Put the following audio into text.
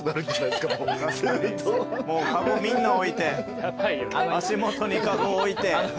もうカゴみんな置いて足元にカゴ置いて。